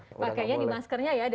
pakainya di maskernya ya